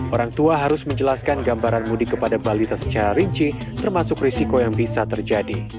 orang tua harus menjelaskan gambaran mudik kepada balita secara rinci termasuk risiko yang bisa terjadi